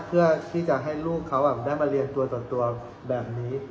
เพื่อที่จะให้ลูกเขาได้มาเรียนตัวส่วนตัวแบบนี้